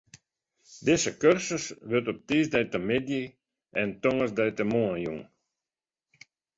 Dizze kursus wurdt op tiisdeitemiddei en tongersdeitemoarn jûn.